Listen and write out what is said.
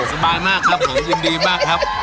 สบายมากครับผมยินดีมากครับ